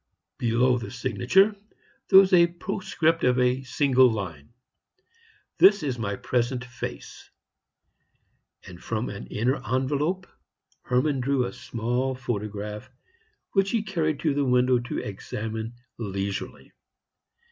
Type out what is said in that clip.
Below the signature there was a postscript of a single line: "This is my present face." And from an inner envelope Hermann drew a small photograph, which he carried to the window to examine leisurely.